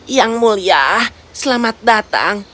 yang mulia selamat datang